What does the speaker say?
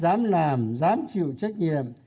giám làm giám chịu trách nhiệm